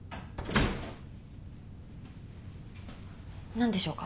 何でしょうか？